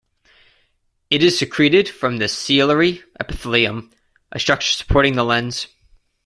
It is secreted from the ciliary epithelium, a structure supporting the lens.